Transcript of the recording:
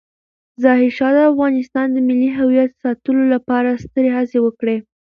ظاهرشاه د افغانستان د ملي هویت ساتلو لپاره سترې هڅې وکړې.